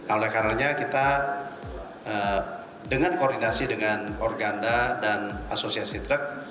oleh karena kita dengan koordinasi dengan organda dan asosiasi truk